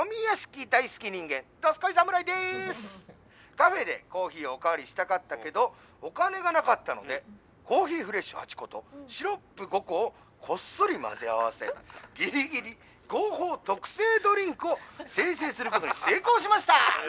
カフェでコーヒーをお代わりしたかったけどお金がなかったのでコーヒーフレッシュ８個とシロップ５個をこっそり混ぜ合わせギリギリ合法特製ドリンクを生成することに成功しました！』。